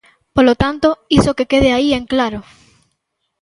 Polo tanto, iso que quede aí en claro.